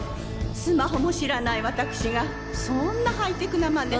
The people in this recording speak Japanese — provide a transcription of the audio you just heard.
スマホも知らないわたくしがそんなハイテクな真似。